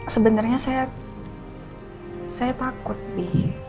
sebenernya saya takut bi